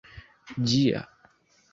ĝia